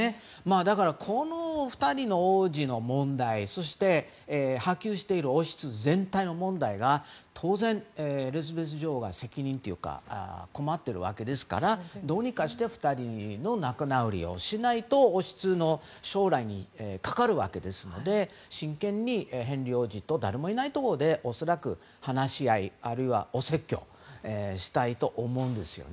だから、この２人の王子の問題そして、波及している王室全体の問題には当然、エリザベス女王が責任というか困っているわけですからどうにかして２人の仲直りをしないと王室の将来にもかかるわけですので真剣にヘンリー王子と誰もいないところで恐らく話し合いあるいはお説教したいと思うんですよね。